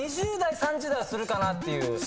２０代３０代はするかなっていう。